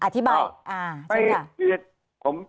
อธิบายใช่ไหมค่ะ